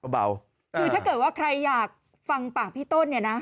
ถ้าเกิดใครอยากฟังปากพี่ต้น